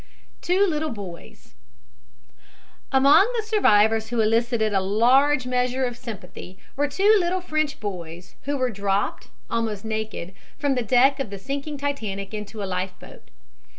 TWO LITTLE BOYS Among the survivors who elicited a large measure of sympathy were two little French boys who were dropped, almost naked, from the deck of the sinking Titanic into a life boat.